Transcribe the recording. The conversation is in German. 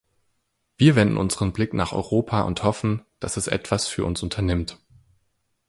Wir wenden unseren Blick nach Europa und hoffen, dass es etwas für uns unternimmt.